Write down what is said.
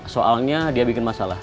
soalnya dia bikin masalah